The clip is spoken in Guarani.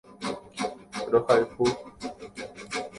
Rohayhu.